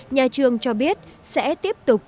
nhà trường cho biết sẽ tiếp tục